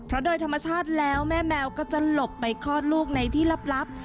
เพราะโดยธรรมชาติแล้วแม่แมวก็จะหลบไปคลอดลูกในที่ลับ